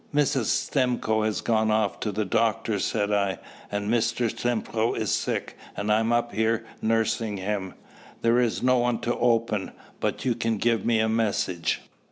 "Mrs. Stimcoe has gone off to the doctor," said I, "and Mr. Stimcoe is sick, and I am up here nursing him. There is no one to open, but you can give me a message."